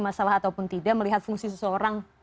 masalah ataupun tidak melihat fungsi seseorang